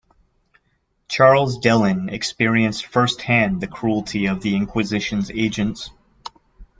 Charles Dellon experienced first hand the cruelty of the Inquisition's agents.